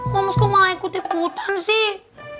mams kok malah ikut ikutan sih